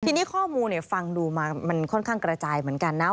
ทีนี้ข้อมูลฟังดูมามันค่อนข้างกระจายเหมือนกันนะ